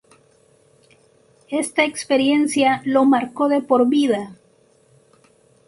Esta experiencia lo marcó de por vida.